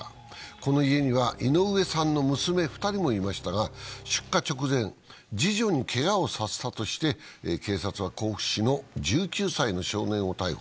この家には井上さんの娘２人もいましたが、出荷直前、次女にけがをさせたとして警察は甲府市の１９歳の少年を逮捕。